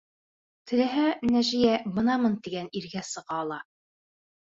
Теләһә, Нәжиә бынамын тигән иргә сыға ала.